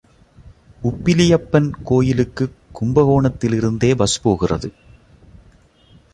Oppiliappan கோயிலுக்குக் கும்பகோணத்திலிருந்தே bus போகிறது.